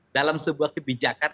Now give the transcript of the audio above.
dalam sebuah kebijakan